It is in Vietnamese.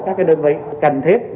các đơn vị cần thiết